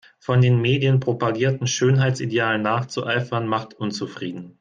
Von den Medien propagierten Schönheitsidealen nachzueifern macht unzufrieden.